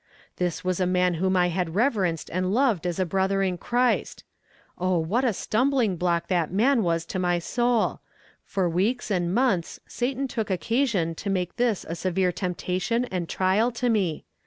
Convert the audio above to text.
This was a man whom I had reverenced and loved as a brother in Christ. Oh, what a stumbling block that man was to my soul; for weeks and months Satan took occasion to make this a severe temptation and trial to me.